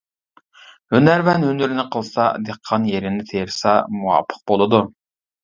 ھۈنەرۋەن ھۈنىرىنى قىلسا، دېھقان يېرىنى تېرىسا مۇۋاپىق بولىدۇ.